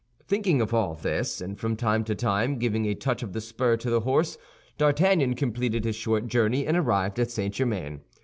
Thinking of all this, and from time to time giving a touch of the spur to his horse, D'Artagnan completed his short journey, and arrived at St. Germain.